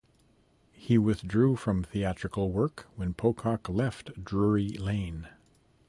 He withdrew from theatrical work when Pocock left Drury Lane.